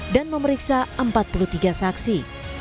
dan memeriksa empat puluh tiga saksi